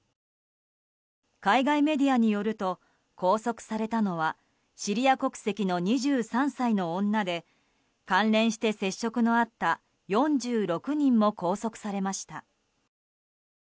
海外メディアによると拘束されたのはシリア国籍の２３歳の女で関連して接触のあった４６人も拘束されました。